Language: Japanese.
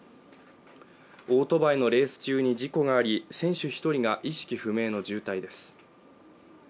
オートバイのレース中に事故があり、選手１人が意識不明の重体です。